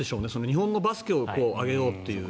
日本のバスケを上げようという。